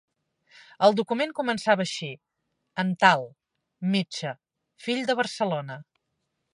El document començava així: En tal, metge, fill de Barcelona.